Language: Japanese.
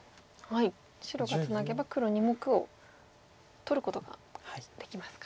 白がツナげば黒２目を取ることができますか。